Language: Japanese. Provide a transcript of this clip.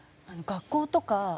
学校とか